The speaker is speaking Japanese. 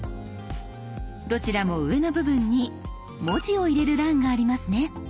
どちらも上の部分に文字を入れる欄がありますね。